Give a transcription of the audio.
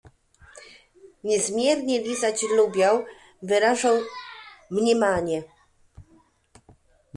Niezmiernie lizać lubiał, wyrażał mniemanie